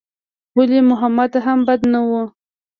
ولي محمد هم بد نه و.